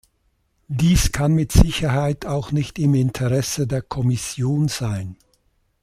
Dies kann mit Sicherheit auch nicht im Interesse der Kommission sein.